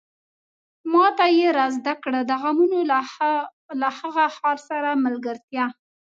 ماته يې را زده کړه د غمونو له هغه ښار سره ملګرتيا